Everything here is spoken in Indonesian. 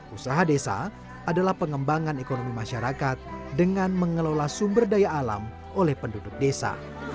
usaha desa adalah pengembangan ekonomi masyarakat dengan mengelola sumber daya alam oleh penduduk desa